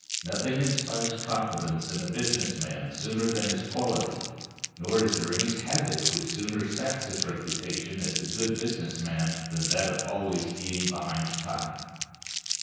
Nothing inspires confidence in a business man sooner than this quality; nor is there any habit which sooner saps his reputation as a good business man than that of being always behind time.